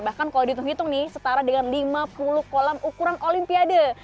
bahkan kalau dihitung hitung nih setara dengan lima puluh kolam ukuran olimpiade